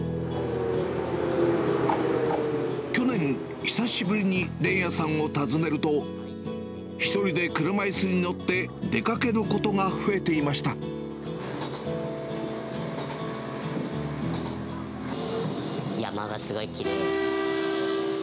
去年、久しぶりに連也さんを訪ねると、１人で車いすに乗って出かけるこ山がすごいきれい。